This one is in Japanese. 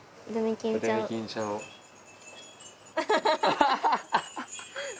ハハハハ！